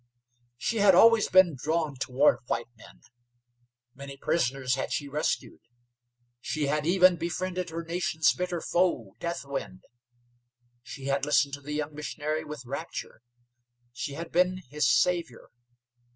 She had always been drawn toward white men. Many prisoners had she rescued. She had even befriended her nation's bitter foe, Deathwind. She had listened to the young missionary with rapture; she had been his savior.